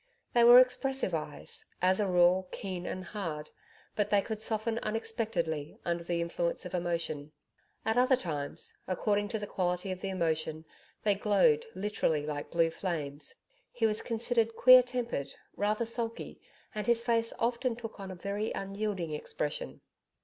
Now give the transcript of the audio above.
They were expressive eyes, as a rule keen and hard, but they could soften unexpectedly under the influence of emotion. At other times, according to the quality of the emotion, they glowed literally like blue flames. He was considered queer tempered, rather sulky, and his face often took on a very unyielding expression.